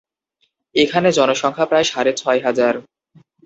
এখানে জনসংখ্যা প্রায় সাড়ে ছয় হাজার।